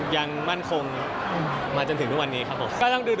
ยูนาโอเค